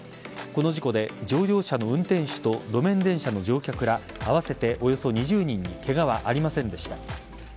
この事故で乗用車の運転手と路面電車の乗客ら合わせておよそ２０人にケガはありませんでした。